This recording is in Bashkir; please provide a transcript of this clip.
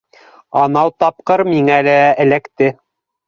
Анау тапҡыр миңә лә эләкте.